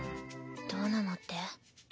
どうなのって？